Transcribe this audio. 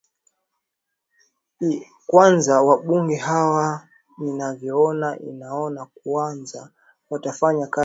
i kwanza wambunge hawa ninavyoona inaona kwanza watafanya kazi